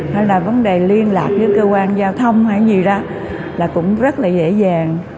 hay là vấn đề liên lạc với cơ quan giao thông hay gì đó là cũng rất là dễ dàng